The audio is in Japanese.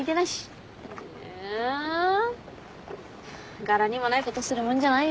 柄にもないことするもんじゃないよ。